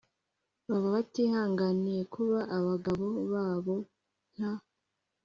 baba batihanganiye kuba abagabo babo nta